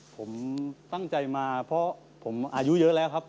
ผมตั้งใจมาเพราะผมอายุเยอะแล้วครับ